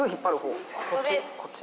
こっち。